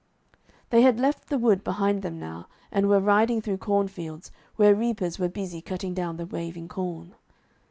They had left the wood behind them now, and were riding through cornfields, where reapers were busy cutting down the waving corn.